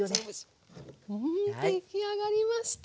うん出来上がりました。